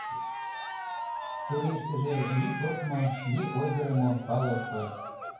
Чурийыштыже ни шортмо, ни ойгырымо пале ок кой.